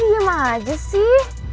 dia mana aja sih